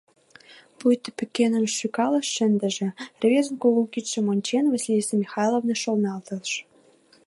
«Пуйто пӱкеным шӱкал шындынеже», — рвезын кугу кидшым ончен, Василиса Михайловна шоналтыш.